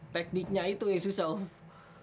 tekniknya itu yang susah om